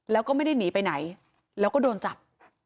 แล้วก็ไม่ได้หนีไปไหนแล้วก็โดนจับ